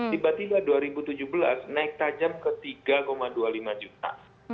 tiba tiba dua ribu tujuh belas naik tajam ke tiga dua puluh lima juta